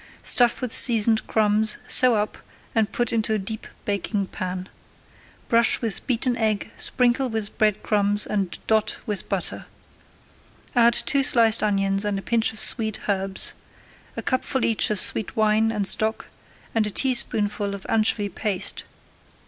Stuff with seasoned crumbs, sew up, and put into a deep baking pan. Brush with beaten egg, sprinkle with bread crumbs and dot with butter. Add two sliced onions and a pinch of sweet herbs, a cupful each of sweet wine and stock, and a teaspoonful of anchovy paste.